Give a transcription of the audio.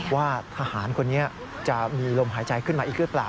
ว่าทหารคนนี้จะมีลมหายใจขึ้นมาอีกหรือเปล่า